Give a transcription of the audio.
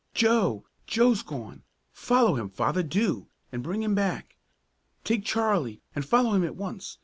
"Joe! Joe's gone! Follow him, Father, do, and bring him back! Take Charlie and follow him at once.